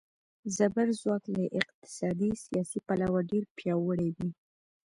زبرځواک له اقتصادي، سیاسي پلوه ډېر پیاوړي وي.